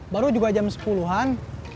baru juga jam sepuluhan